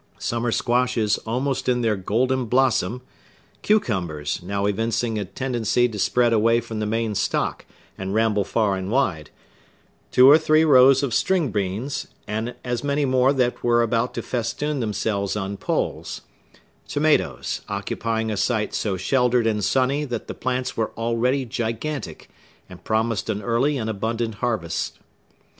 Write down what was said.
Summer squashes almost in their golden blossom; cucumbers, now evincing a tendency to spread away from the main stock, and ramble far and wide; two or three rows of string beans and as many more that were about to festoon themselves on poles; tomatoes, occupying a site so sheltered and sunny that the plants were already gigantic, and promised an early and abundant harvest.